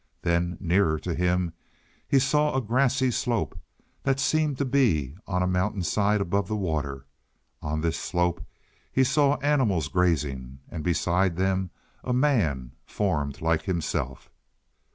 Then, nearer to him, he saw a grassy slope, that seemed to be on a mountain side above the water. On this slope he saw animals grazing, and beside them a man, formed like himself.